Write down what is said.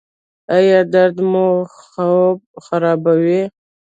ایا درد مو خوب خرابوي؟